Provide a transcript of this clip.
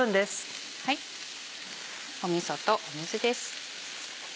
みそと水です。